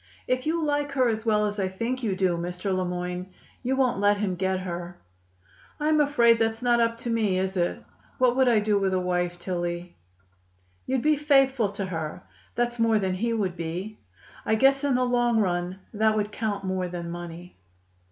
"If you like her as well as I think you do, Mr. Le Moyne, you won't let him get her." "I am afraid that's not up to me, is it? What would I do with a wife, Tillie?" "You'd be faithful to her. That's more than he would be. I guess, in the long run, that would count more than money."